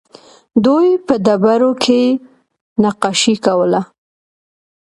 دوی په ډبرو کې نقاشي کوله